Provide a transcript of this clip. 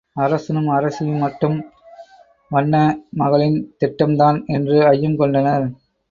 அரசனும் அரசியும் மட்டும் வண்ண மகளின் திட்டம்தான் என்று ஐயம் கொண்டனர்.